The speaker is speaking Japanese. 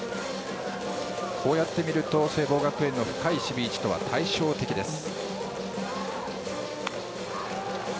こうやって見ると聖望学園の深い守備位置とは対照的です。